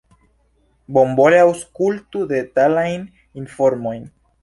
Bonvole aŭskultu detalajn informojn.